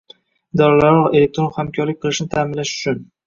idoralararo elektron hamkorlik qilishni ta’minlash uchun